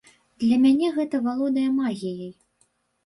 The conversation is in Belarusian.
Для мяне гэта валодае магіяй.